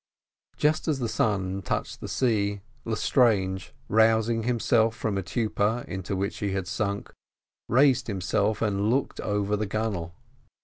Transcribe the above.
Just as the sun touched the sea, Lestrange, rousing himself from a torpor into which he had sunk, raised himself and looked over the gunwale.